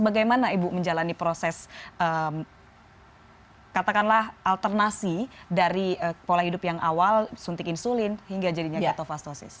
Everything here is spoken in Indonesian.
bagaimana ibu menjalani proses katakanlah alternatif dari pola hidup yang awal suntik insulin hingga jadinya ketofastosis